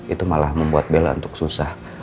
itu malah membuat bela untuk susah